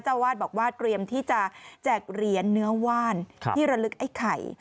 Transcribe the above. วาดบอกว่าเตรียมที่จะแจกเหรียญเนื้อว่านที่ระลึกไอ้ไข่